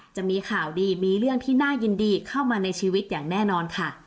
จะมีข่าวดีมีเรื่องที่น่ายินดีเข้ามาในชีวิตอย่างแน่นอนค่ะ